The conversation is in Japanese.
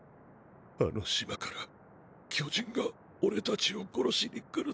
あの島から巨人が俺たちを殺しに来るって。